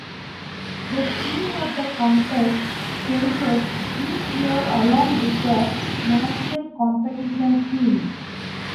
The theme of the contest changes each year along with the National competition themes.